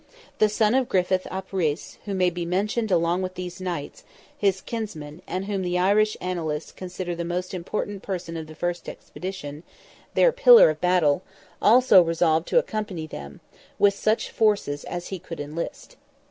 The son of Griffith ap Rhys, who may be mentioned along with these knights, his kinsmen, and whom the Irish annalists consider the most important person of the first expedition—their pillar of battle—also resolved to accompany them, with such forces as he could enlist.